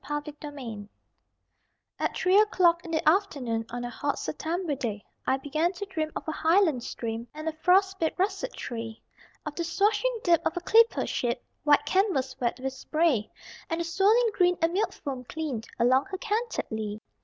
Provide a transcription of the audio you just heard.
GREEN ESCAPE At three o'clock in the afternoon On a hot September day, I began to dream of a highland stream And a frostbit russet tree; Of the swashing dip of a clipper ship (White canvas wet with spray) And the swirling green and milk foam clean Along her canted lee.